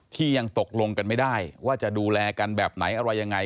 ที่ยังตกลงกันไม่ได้ว่าจะดูแลกันแบบไหนอะไรยังไง